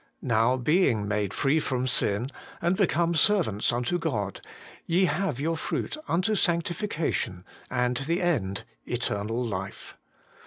Now being made free from sin, and become servants unto God, ye have your fruit unto sanctification, and the end eternal life.'